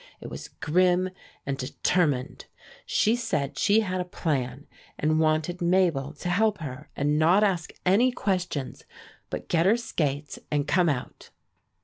It was grim and determined. She said she had a plan and wanted Mabel to help her, and not ask any questions, but get her skates and come out.